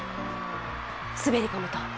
滑り込むと。